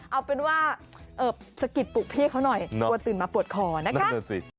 เอาเป็นว่าสะกิดปลูกพี่ให้เขาหน่อยตัวตื่นมาปวดคอนะคะนั่นสิ